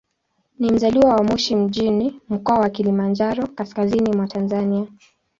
Ni mzaliwa wa Moshi mjini, Mkoa wa Kilimanjaro, kaskazini mwa Tanzania.